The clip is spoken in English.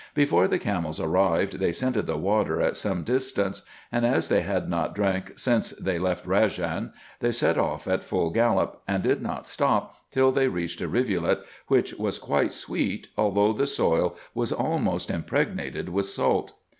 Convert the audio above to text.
Before the camels arrived they scented the water at some distance ; and as they had not drank since they left Rejan, they set off at full gallop, and did not stop till they reached a rivulet, which was quite sweet, although the soil was almost impregnated with salt.